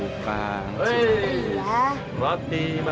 oke jadi pak